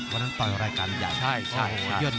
วันนั้นต่อยรายการใหญ่